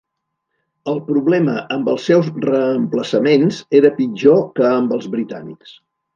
El problema amb els seus reemplaçaments era pitjor que amb els britànics.